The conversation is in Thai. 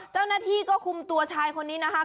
เจ้าหน้าที่ก็คุมตัวชายคนนี้นะคะ